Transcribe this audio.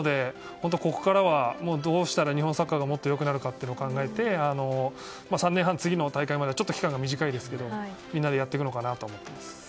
ここからはどうしたら日本サッカーが良くなるかを考えて、３年半次の大会まで期間は短いですがみんなでやっていくのかなと思います。